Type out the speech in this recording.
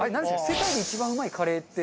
世界で一番うまいカレーって。